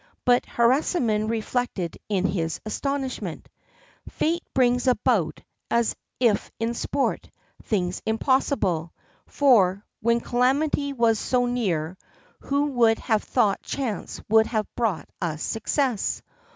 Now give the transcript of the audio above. But Harisarman reflected in his astonishment: "Fate brings about, as if in sport, things impossible; for, when calamity was so near, who would have thought chance would have brought us success?